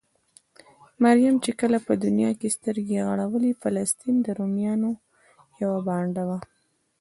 مريم چې کله په دونيا کې سترګې غړولې؛ فلسطين د روميانو يوه بانډه وه.